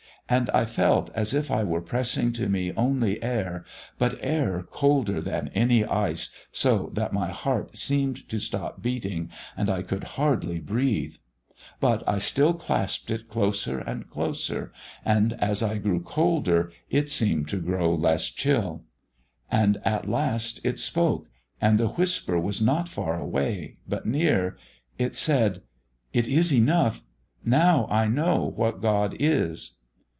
And I felt as if I were pressing to me only air, but air colder than any ice, so that my heart seemed to stop beating, and I could hardly breathe. But I still clasped it closer and closer, and as I grew colder it seemed to grow less chill. "And at last it spoke, and the whisper was not far away, but near. It said: "'It is enough; now I know what God is!'